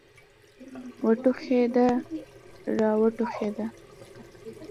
وټوخېده را وټوخېده.